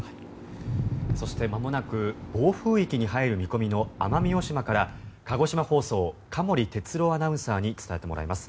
そしてまもなく暴風域に入る見込みの奄美大島から、鹿児島放送加守哲朗アナウンサーに伝えてもらいます。